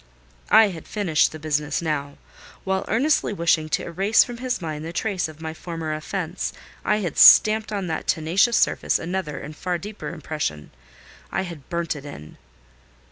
I had finished the business now. While earnestly wishing to erase from his mind the trace of my former offence, I had stamped on that tenacious surface another and far deeper impression: I had burnt it in.